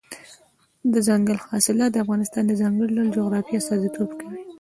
دځنګل حاصلات د افغانستان د ځانګړي ډول جغرافیې استازیتوب کوي.